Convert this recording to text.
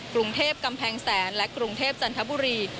กรุงเทพกำแพงแสนและกรุงเทพจันทบุรี